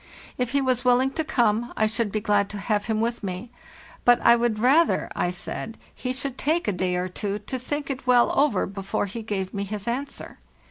If he was willing to come I should be glad to have him with me; but I would rather, I said, he should take a day or two to think it well over before he gave me his answer.